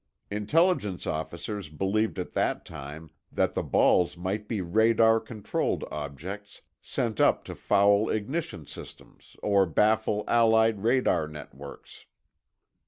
Intelligence officers believed at that time that the balls might be radar controlled objects sent up to foul ignition systems or baffle Allied radar networks.